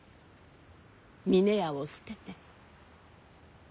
峰屋を捨てて。